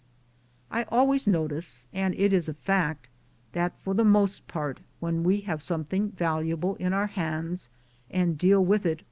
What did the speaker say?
I always notice, and it is a fact, that for the most part when we have something valuable in our hands, and deal with it sit, Google d« Google .